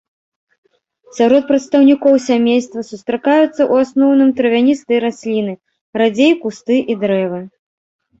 Сярод прадстаўнікоў сямейства сустракаюцца, у асноўным, травяністыя расліны, радзей кусты і дрэвы.